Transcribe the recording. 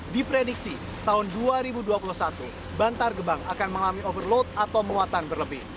diprediksi tahun dua ribu dua puluh satu bantar gebang akan mengalami overload atau muatan berlebih